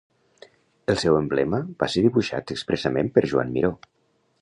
El seu emblema va ser dibuixat expressament per Joan Miró.